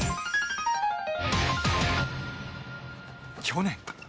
去年。